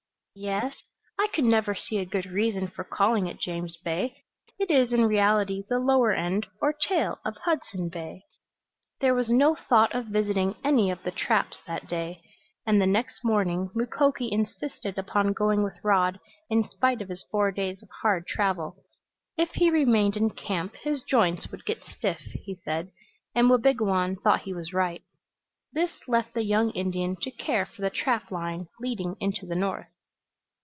"Yes. I could never see a good reason for calling it James Bay. It is in reality the lower end, or tail, of Hudson Bay." There was no thought of visiting any of the traps that day, and the next morning Mukoki insisted upon going with Rod, in spite of his four days of hard travel. If he remained in camp his joints would get stiff, he said, and Wabigoon thought he was right. This left the young Indian to care for the trap line leading into the north.